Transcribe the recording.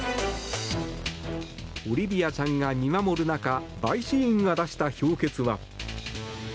オリビアちゃんが見守る中陪審員が出した評決は。